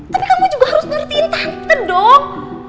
tapi kamu juga harus ngertiin tante dong